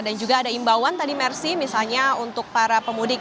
dan juga ada imbauan tadi mersi misalnya untuk para pemudik